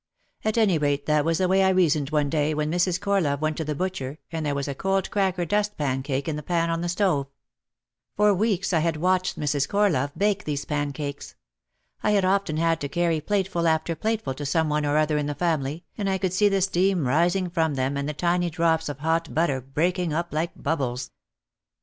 At any rate that was the way I reasoned one day, when Mrs. Corlove went to the butcher and there was a cold cracker dust pan cake in the pan on the stove. For weeks I had watched Mrs. Corlove bake these pan cakes. I had often had to carry plateful after plateful to some one or other in the family, and I could see the steam rising from them and the tiny drops of hot butter breaking up like bubbles.